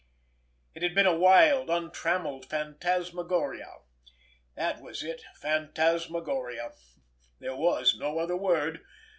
It had been a wild untrammelled phantasmagoria. That was it—phantasmagoria. There was no other word.